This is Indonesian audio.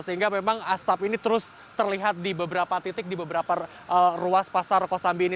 sehingga memang asap ini terus terlihat di beberapa titik di beberapa ruas pasar kosambi ini